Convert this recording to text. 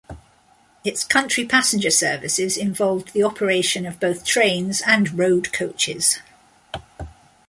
Its country passenger services involved the operation of both trains and road coaches.